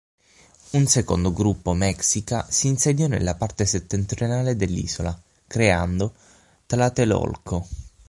Un secondo gruppo Mexica si insediò nella parte settentrionale dell'isola, creando Tlatelolco.